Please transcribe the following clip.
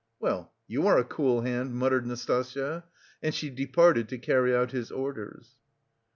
"Well, you are a cool hand," muttered Nastasya, and she departed to carry out his orders.